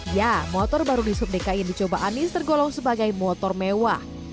ya motor baru di sub dki yang dicoba anies tergolong sebagai motor mewah